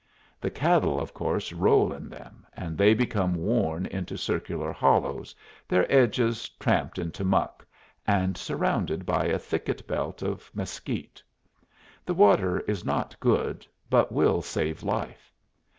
The cattle, of course, roll in them, and they become worn into circular hollows, their edges tramped into muck, and surrounded by a thicket belt of mesquite. The water is not good, but will save life.